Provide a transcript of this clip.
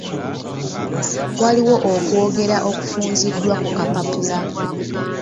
Waliwo okwogera okufunziddwa ku kapapula.